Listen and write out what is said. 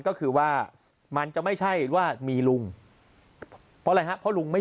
ก็คือว่ามันจะไม่ใช่ว่ามีลุงเพราะอะไรฮะเพราะลุงไม่